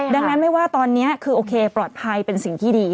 ดังนั้นไม่ว่าตอนนี้คือโอเคปลอดภัยเป็นสิ่งที่ดี